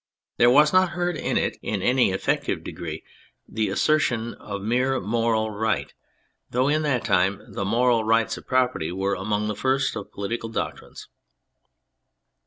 There was not heard in it, in any effective degree, the assertion of mere moral right; though in that time the moral rights of property were among the first ©f political doctrines.